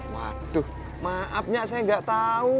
waduh maaf nyak saya gak tau